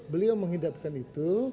beliau menghidapkan itu